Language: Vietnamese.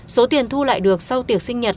số tiền thu lại được sau tiệc sinh nhật